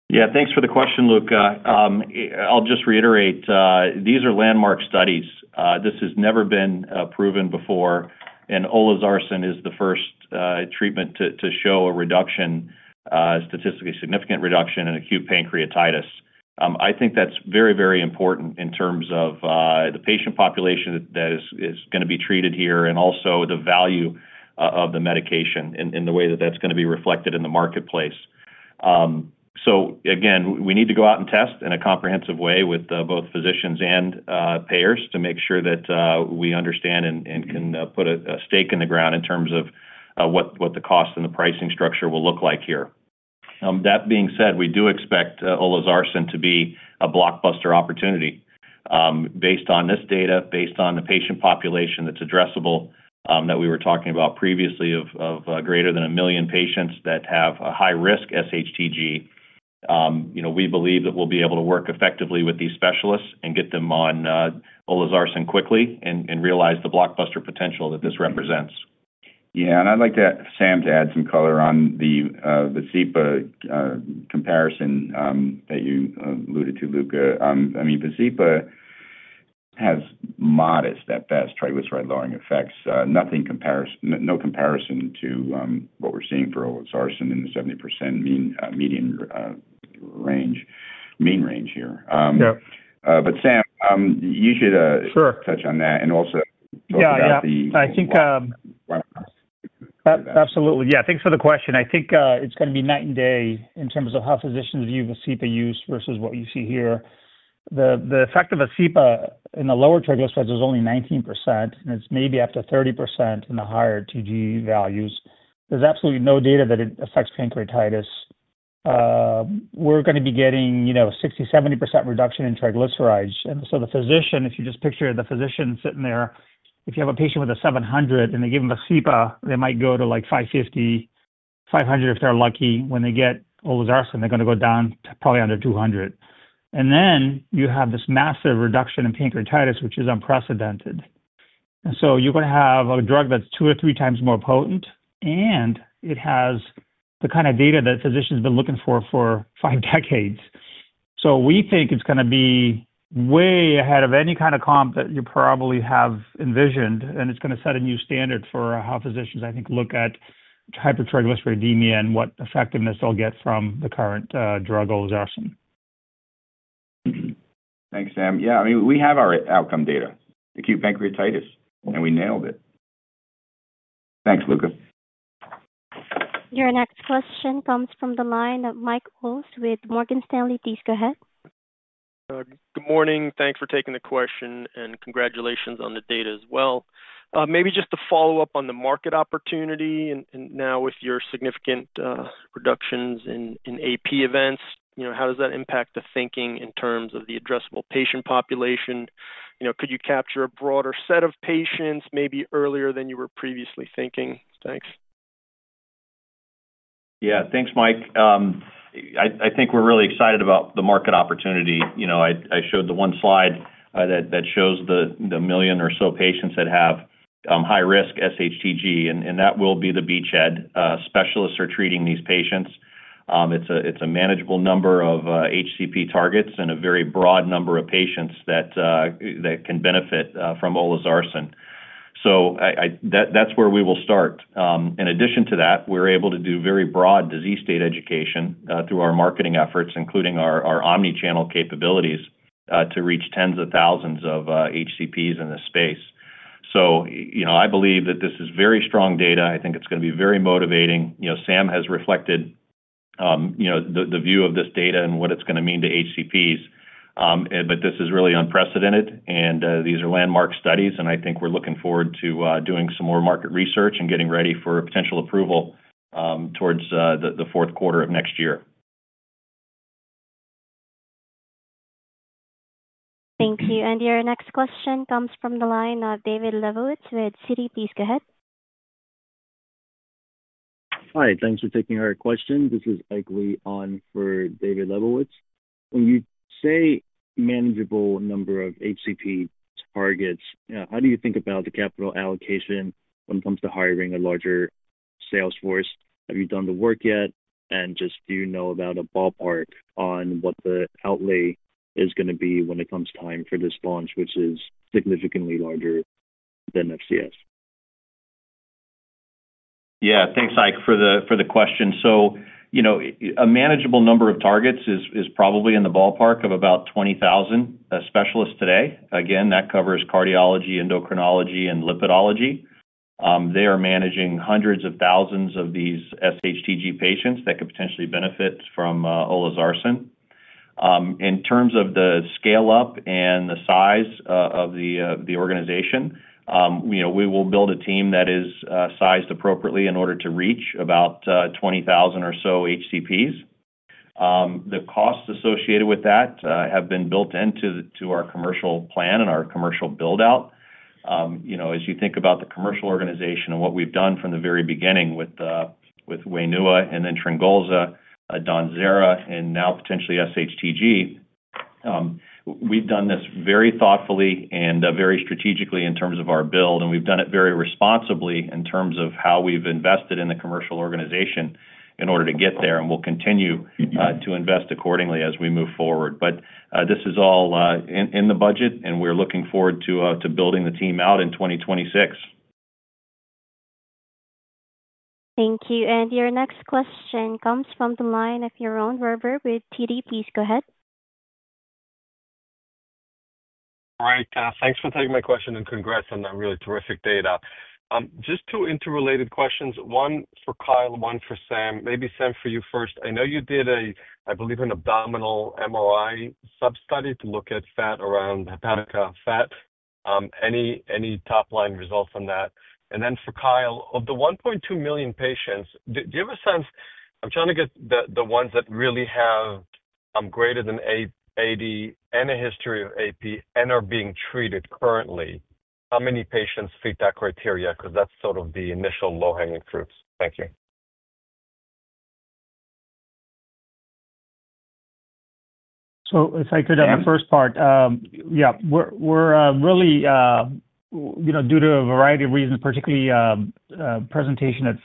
Yeah, thanks for the question, Luca. I'll just reiterate, these are landmark studies. This has never been proven before. Olezarsen is the first treatment to show a reduction, a statistically significant reduction in acute pancreatitis. I think that's very, very important in terms of the patient population that is going to be treated here and also the value of the medication in the way that that's going to be reflected in the marketplace. We need to go out and test in a comprehensive way with both physicians and payers to make sure that we understand and can put a stake in the ground in terms of what the cost and the pricing structure will look like here. That being said, we do expect Olezarsen to be a blockbuster opportunity based on this data, based on the patient population that's addressable that we were talking about previously of greater than a million patients that have a high-risk sHTG. We believe that we'll be able to work effectively with these specialists and get them on Olezarsen quickly and realize the blockbuster potential that this represents. Yeah, and I'd like Sam to add some color on the Vascepa comparison that you alluded to, Luca. Vascepa has modest, at best, triglyceride-lowering effects. No comparison to what we're seeing for Olezarsen in the 70% median range, mean range here. Sam, you should touch on that and also the. Yeah, absolutely. Yeah, thanks for the question. I think it's going to be night and day in terms of how physicians view Vascepa use versus what you see here. The effect of Vascepa in the lower triglycerides is only 19%, and it's maybe up to 30% in the higher TG values. There's absolutely no data that it affects pancreatitis. We're going to be getting 60%, 70% reduction in triglycerides. If you just picture the physician sitting there, if you have a patient with a 700 and they give Vascepa, they might go to like 550, 500 if they're lucky. When they get Olezarsen, they're going to go down to probably under 200. You have this massive reduction in pancreatitis, which is unprecedented. You're going to have a drug that's two or three times more potent, and it has the kind of data that physicians have been looking for for five decades. We think it's going to be way ahead of any kind of comp that you probably have envisioned, and it's going to set a new standard for how physicians, I think, look at hypertriglyceridemia and what effectiveness they'll get from the current drug Olezarsen. Thanks, Sam. Yeah, I mean, we have our outcome data, acute pancreatitis, and we nailed it. Thanks, Luca. Your next question comes from the line of Mike Ulz with Morgan Stanley. Please go ahead. Good morning. Thanks for taking the question, and congratulations on the data as well. Maybe just to follow up on the market opportunity. Now, with your significant reductions in acute pancreatitis events, how does that impact the thinking in terms of the addressable patient population? Could you capture a broader set of patients maybe earlier than you were previously thinking? Thanks. Yeah, thanks, Mike. I think we're really excited about the market opportunity. I showed the one slide that shows the million or so patients that have high-risk sHTG, and that will be the beachhead. Specialists are treating these patients. It's a manageable number of HCP targets and a very broad number of patients that can benefit from Olezarsen. That's where we will start. In addition to that, we're able to do very broad disease state education through our marketing efforts, including our omnichannel capabilities to reach tens of thousands of HCPs in this space. I believe that this is very strong data. I think it's going to be very motivating. Sam has reflected the view of this data and what it's going to mean to HCPs. This is really unprecedented, and these are landmark studies. I think we're looking forward to doing some more market research and getting ready for potential approval towards the fourth quarter of next year. Thank you. Your next question comes from the line of David Lebowitz with Citi. Please go ahead. Hi. Thanks for taking our question. This is [actually] on for David Lebowitz. When you say manageable number of HCP targets, how do you think about the capital allocation when it comes to hiring a larger sales force? Have you done the work yet? Do you know about a ballpark on what the outlay is going to be when it comes time for this launch, which is significantly larger than FCS? Yeah, thanks, [Ike], for the question. A manageable number of targets is probably in the ballpark of about 20,000 specialists today. That covers cardiology, endocrinology, and lipidology. They are managing hundreds of thousands of these sHTG patients that could potentially benefit from Olezarsen. In terms of the scale-up and the size of the organization, we will build a team that is sized appropriately in order to reach about 20,000 or so HCPs. The costs associated with that have been built into our commercial plan and our commercial build-out. As you think about the commercial organization and what we've done from the very beginning with Wainua, and then Tryngolza, Dawnzera, and now potentially sHTG, we've done this very thoughtfully and very strategically in terms of our build. We've done it very responsibly in terms of how we've invested in the commercial organization in order to get there. We'll continue to invest accordingly as we move forward. This is all in the budget, and we're looking forward to building the team out in 2026. Thank you. Your next question comes from the line of Yaron Werber with TD. Please go ahead. All right. Thanks for taking my question and congrats on that really terrific data. Just two interrelated questions, one for Kyle, one for Sam. Maybe Sam, for you first. I know you did a, I believe, an abdominal MRI sub-study to look at fat around hepatic fat. Any topline results on that? For Kyle, of the $1.2 million patients, do you have a sense? I'm trying to get the ones that really have greater than 80, and a history of AP, and are being treated currently. How many patients fit that criteria? That's sort of the initial low-hanging fruits. Thank you. We're really, you know, due to a variety of reasons, particularly presentation at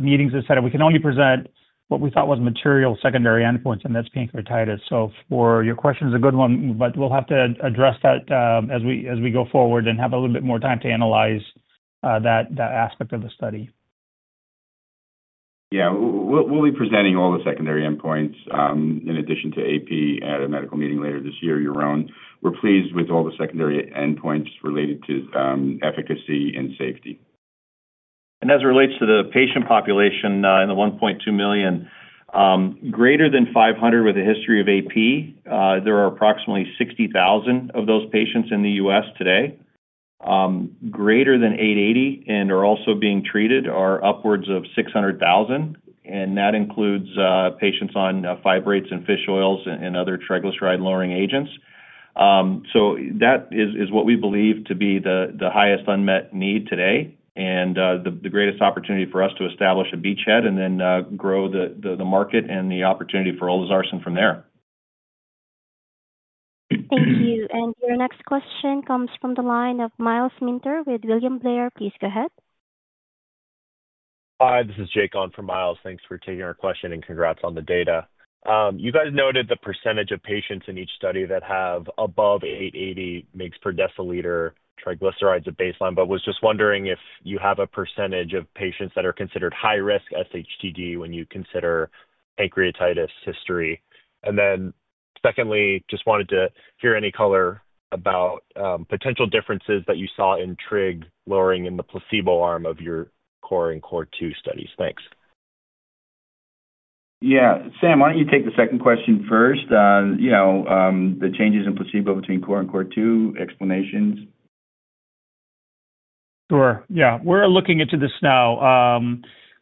meetings, et cetera, we can only present what we thought was material secondary endpoints, and that's pancreatitis. Your question is a good one, but we'll have to address that as we go forward and have a little bit more time to analyze that aspect of the study. We will be presenting all the secondary endpoints in addition to AP at a medical meeting later this year. We're pleased with all the secondary endpoints related to efficacy and safety. As it relates to the patient population in the $1.2 million, greater than 500 mg with a history of AP, there are approximately 60,000 of those patients in the U.S. today. Greater than 880 mg and are also being treated are upwards of 600,000, and that includes patients on fibrates and fish oils and other triglyceride-lowering agents. That is what we believe to be the highest unmet need today and the greatest opportunity for us to establish a beachhead and then grow the market and the opportunity for Olezarsen from there. Thank you. Your next question comes from the line of Myles Minter with William Blair. Please go ahead. Hi, this is Jake on for Miles. Thanks for taking our question and congrats on the data. You guys noted the percentage of patients in each study that have above 880 mg/dL triglycerides at baseline, but was just wondering if you have a percentage of patients that are considered high-risk sHTG when you consider pancreatitis history. Secondly, just wanted to hear any color about potential differences that you saw in trig lowering in the placebo arm of your CORE and CORE2 studies. Thanks. Yeah, Sam, why don't you take the second question first? You know, the changes in placebo between CORE and CORE2, explanations? Sure. Yeah, we're looking into this now.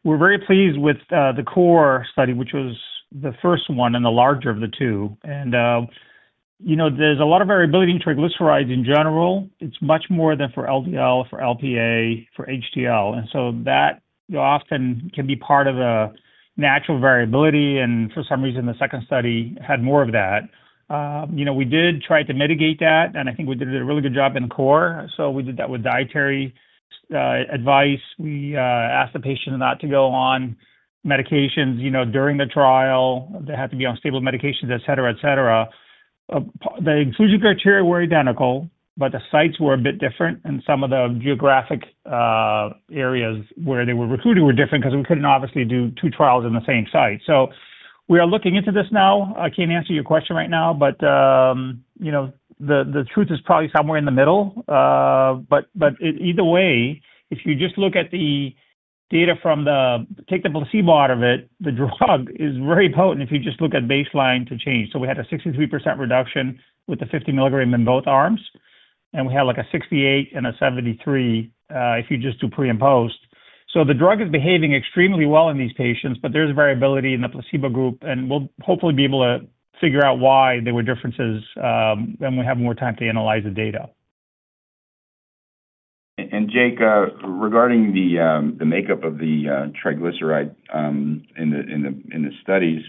We're very pleased with the CORE study, which was the first one and the larger of the two. There's a lot of variability in triglycerides in general. It's much more than for LDL, for LPA, for HDL. That often can be part of the natural variability. For some reason, the second study had more of that. We did try to mitigate that, and I think we did a really good job in CORE. We did that with dietary advice. We asked the patient not to go on medications during the trial. They had to be on stable medications, et cetera, et cetera. The inclusion criteria were identical, but the sites were a bit different, and some of the geographic areas where they were recruited were different because we couldn't obviously do two trials in the same site. We are looking into this now. I can't answer your question right now, but the truth is probably somewhere in the middle. Either way, if you just look at the data from the take the placebo out of it, the drug is very potent if you just look at baseline to change. We had a 63% reduction with the 50 mg in both arms, and we had like a 68% and a 73% if you just do pre and post. The drug is behaving extremely well in these patients, but there's variability in the placebo group, and we'll hopefully be able to figure out why there were differences when we have more time to analyze the data. Jake, regarding the makeup of the triglyceride in the studies,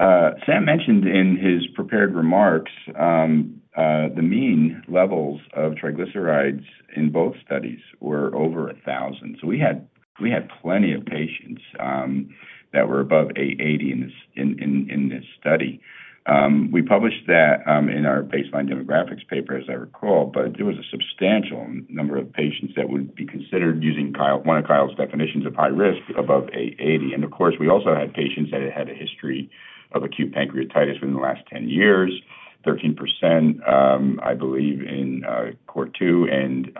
Sam mentioned in his prepared remarks the mean levels of triglycerides in both studies were over 1,000 mg. We had plenty of patients that were above 880 mg in this study. We published that in our baseline demographics paper, as I recall, but it was a substantial number of patients that would be considered using one of Kyle's definitions of high risk above 880 mg. We also had patients that had had a history of acute pancreatitis within the last 10 years, 13% in CORE2 and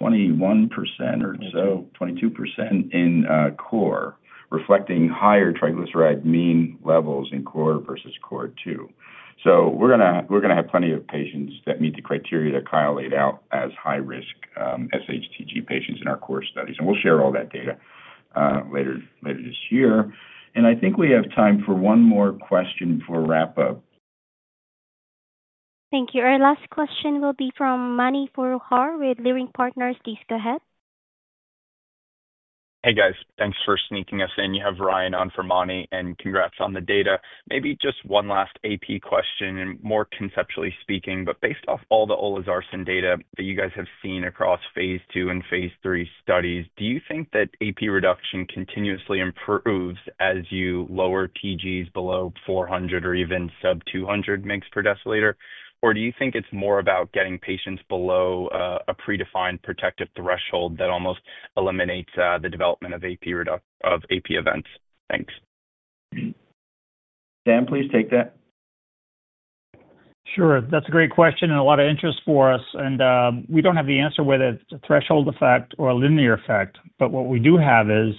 21% or so, 22% in CORE, reflecting higher triglyceride mean levels in CORE versus CORE2. We are going to have plenty of patients that meet the criteria Kyle laid out as high-risk sHTG patients in our CORE studies. We will share all that data later this year. I think we have time for one more question for wrap-up. Thank you. Our last question will be from Mani Foroohar with Leerink Partners. Please go ahead. Hey, guys. Thanks for sneaking us in. You have Ryan on for Mani, and congrats on the data. Maybe just one last AP question, and more conceptually speaking. Based off all the Olezarsen data that you guys have seen across Phase II and Phase III studies, do you think that AP reduction continuously improves as you lower TGs below 400 mg or even sub 200 mg /dL ? Do you think it's more about getting patients below a predefined protective threshold that almost eliminates the development of AP events? Thanks. That's a great question and a lot of interest for us. We don't have the answer whether it's a threshold effect or a linear effect. What we do have is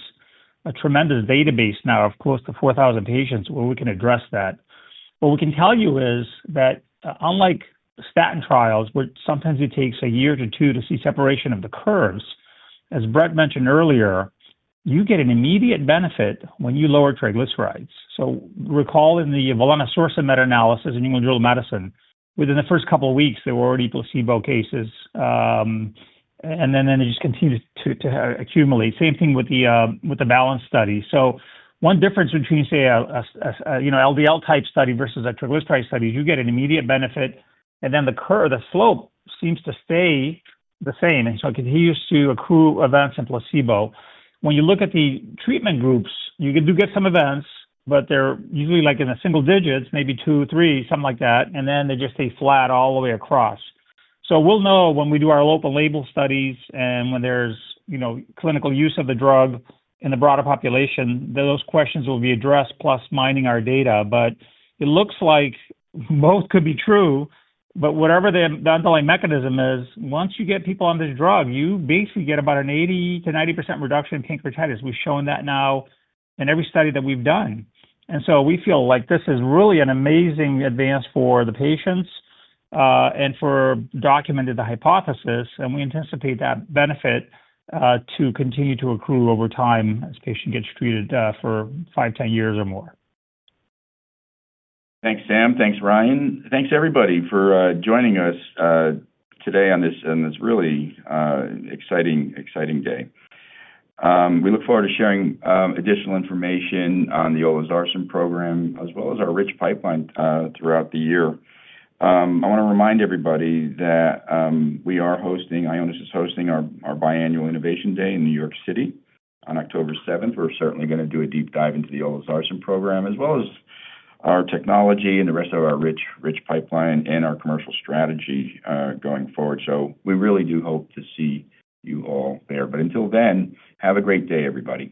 a tremendous database now of close to 4,000 patients where we can address that. What we can tell you is that unlike statin trials, where sometimes it takes a year to two to see separation of the curves, as Brett mentioned earlier, you get an immediate benefit when you lower triglycerides. Recall in the [Volana Sourcemet] analysis in New England Journal of Medicine, within the first couple of weeks, there were already placebo cases, and they just continued to accumulate. Same thing with the balanced study. One difference between, say, an LDL-type study versus a triglyceride study is you get an immediate benefit, and then the curve, the slope seems to stay the same. It continues to accrue events in placebo. When you look at the treatment groups, you do get some events, but they're usually in the single digits, maybe two, three, something like that, and then they just stay flat all the way across. We'll know when we do our local label studies and when there's clinical use of the drug in the broader population, those questions will be addressed plus mining our data. It looks like both could be true. Whatever the underlying mechanism is, once you get people on this drug, you basically get about an 80%- 90% reduction in pancreatitis. We've shown that now in every study that we've done. We feel like this is really an amazing advance for the patients and for documenting the hypothesis. We anticipate that benefit to continue to accrue over time as the patient gets treated for 5, 10 years or more. Thanks, Sam. Thanks, Ryan. Thanks, everybody, for joining us today on this really exciting day. We look forward to sharing additional information on the Olezarsen program, as well as our rich pipeline throughout the year. I want to remind everybody that we are hosting, Ionis is hosting our biannual Innovation Day in New York City on October 7th. We're certainly going to do a deep dive into the Olezarsen program, as well as our technology and the rest of our rich pipeline and our commercial strategy going forward. We really do hope to see you all there. Until then, have a great day, everybody.